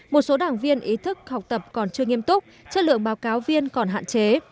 một số đảng viên ý thức học tập còn chưa nghiêm túc chất lượng báo cáo viên còn hạn chế